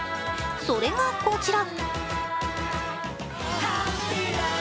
それがこちら。